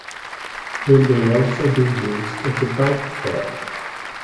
It may also be used as a bike trail.